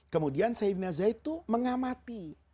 kemudian sayyidina zaid itu mengamati